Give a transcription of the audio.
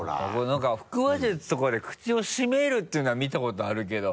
何か腹話術とかで口を閉めるっていうのは見たことあるけど。